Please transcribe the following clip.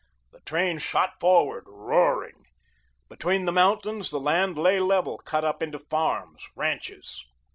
The train shot forward, roaring. Between the mountains the land lay level, cut up into farms, ranches.